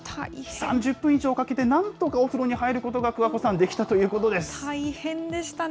３０分以上かけてなんとかお風呂に入ることが、桑子さん、で大変でしたね。